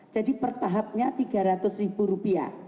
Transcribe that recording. jadi per tahapnya rp tiga ratus